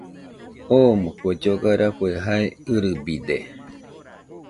Omo kue lloga rafue jae ɨrɨbide